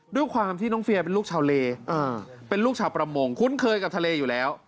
ด้วยความที่น้องเฟียเป็นลูกชาวเลเป็นลูกชาวประมงคุ้นเคยกับทะเลอยู่แล้ว